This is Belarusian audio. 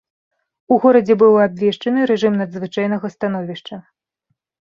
У горадзе быў абвешчаны рэжым надзвычайнага становішча.